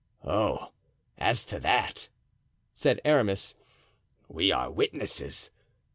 "Oh! as to that," said Aramis, "we are witnesses.